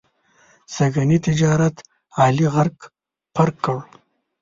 سږني تجارت علي غرق پرق کړ.